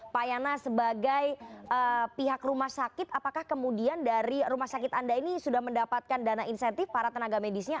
pak yana sebagai pihak rumah sakit apakah kemudian dari rumah sakit anda ini sudah mendapatkan dana insentif para tenaga medisnya